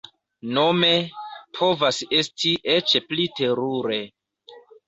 Nome, povas esti eĉ pli terure.